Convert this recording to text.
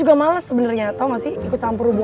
gimana sih romantisnya rara sama davin